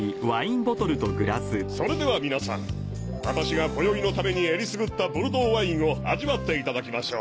それでは皆さん私が今宵のために選りすぐったボルドーワインを味わっていただきましょう。